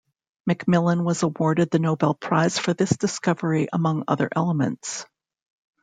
McMillan was awarded the Nobel Prize for this discovery among other elements.